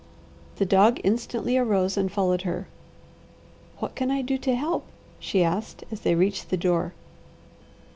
The dog instantly arose and followed her. "What can I do to help?" she asked as they reached the door.